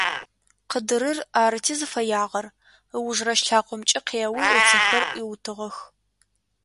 Къыдырыр арыти зыфэягъэр, ыужырэ лъакъомкӀэ къеуи, ыцэхэр Ӏуиутыгъэх.